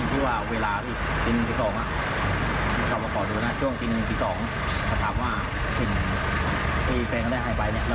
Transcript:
แต่ว่าเขาต้องไถดวงตัวม้อน่ะหรือวิ่งผ่านนะ